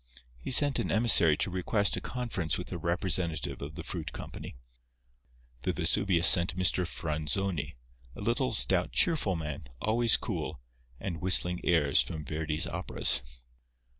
He sent an emissary to request a conference with a representative of the fruit company. The Vesuvius sent Mr. Franzoni, a little, stout, cheerful man, always cool, and whistling airs from Verdi's operas.